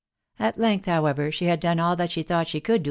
At length, however, she had done all that she thought she could do.